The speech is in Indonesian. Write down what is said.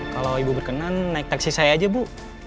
kalau ibu berkenan naik taksi saya aja bu